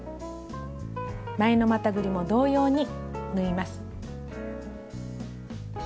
前のまたぐりも同様に縫います。